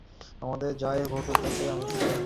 আমাদের যাই ঘটুক তাতেই আমরা সুখী হব।